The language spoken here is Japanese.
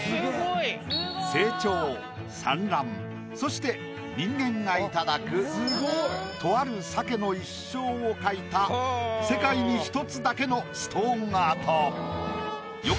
成長産卵そして人間が頂くとある鮭の一生を描いた世界に１つだけのストーンアート。